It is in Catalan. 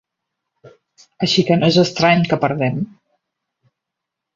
Així que no és estrany que perdem.